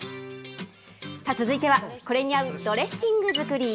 さあ、続いてはこれに合うドレッシング作り。